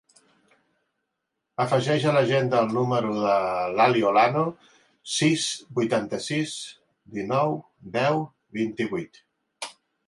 Afegeix a l'agenda el número de l'Ali Olano: sis, vuitanta-sis, dinou, deu, vint-i-vuit.